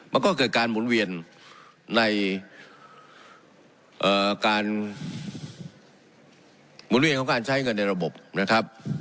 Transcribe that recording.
มันก็เกิดการหมุนเวียนในการใช้เงินในระบบนะครับ